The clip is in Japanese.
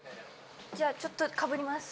じゃあちょっとかぶります。